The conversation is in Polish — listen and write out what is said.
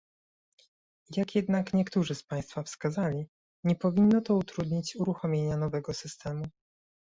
Jak jednak niektórzy z państwa wskazali, nie powinno to utrudnić uruchomienia nowego systemu